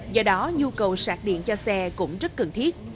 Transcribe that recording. do đó nhu cầu sạc điện cho xe cũng rất cần thiết